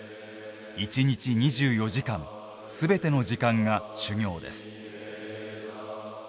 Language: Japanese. １日２４時間すべての時間が修行です。